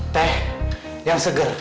teh yang seger